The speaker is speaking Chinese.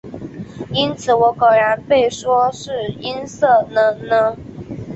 因此我果然被说是音色了呢。